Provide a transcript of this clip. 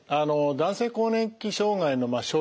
男性更年期障害の症状